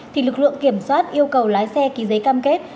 thì lực lượng kiểm soát yêu cầu lái xe ký giấy cam kết